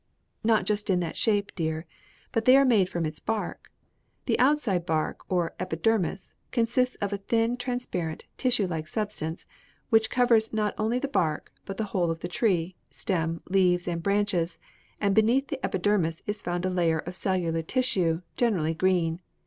"Not just in that shape, dear, but they are made from its bark. The outside bark, or epidermis, consists of a thin, transparent, tissue like substance, which covers not only the bark, but the whole of the tree, stem, leaves and branches, and beneath the epidermis is found a layer of cellular tissue, generally green.